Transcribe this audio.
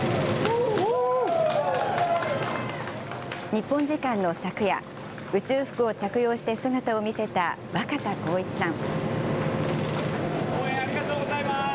日本時間の昨夜、宇宙服を着用して姿を見せた若田光一さん。